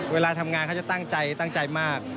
เวลาทำงานเขาจะตั้งใจตั้งใจมาก